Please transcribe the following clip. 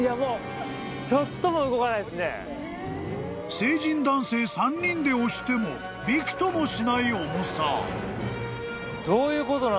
［成人男性３人で押してもびくともしない重さ］